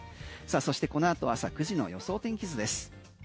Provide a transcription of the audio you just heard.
そしてこの後朝９時の予想天気図です。